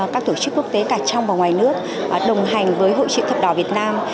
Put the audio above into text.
các tổ chức quốc tế cả trong và ngoài nước đồng hành với hội chữ thập đỏ việt nam